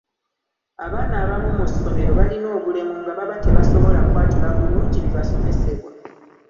Abaana abamu mu ssomero balina obulemu nga baba tebasobola kwatula bulungi bibasomesebwa.